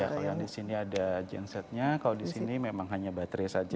kalau yang di sini ada gensetnya kalau di sini memang hanya baterai saja